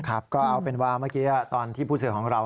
ครับก็เอาเป็นว่าเมื่อกี้ตอนที่ผู้สื่อของเรา